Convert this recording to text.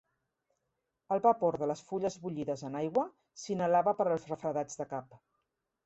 El vapor de les fulles bullides en aigua s'inhalava per als refredats de cap.